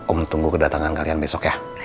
om tunggu kedatangan kalian besok ya